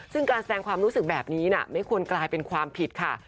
ซึ่งการแสดงความรู้สึกแบบนี้ไม่ควรกลายเป็นความผิดค่ะ